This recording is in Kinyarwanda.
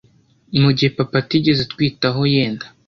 mugihe papa atigeze atwitaho yenda